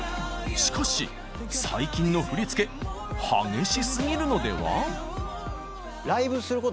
しかし最近の振り付け激しすぎるのでは？